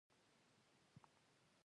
اوبه باید څنګه مهار شي؟